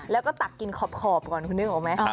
แล้วก็ตักกินขอบก่อนคุณนึกออกไหม